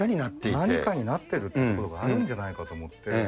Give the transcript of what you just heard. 何かになってるっていうところがあるんじゃないかと思って。